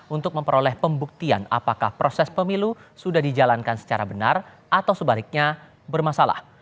untuk memperoleh pembuktian apakah proses pemilu sudah dijalankan secara benar atau sebaliknya bermasalah